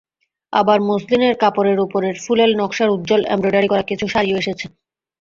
আবার মসলিনের কাপড়ের ওপরে ফুলেল নকশার উজ্জ্বল এমব্রয়ডারি করা কিছু শাড়িও এসেছে।